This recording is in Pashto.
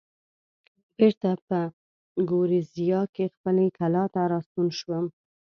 بېرته په ګوریزیا کې خپلې کلا ته راستون شوم.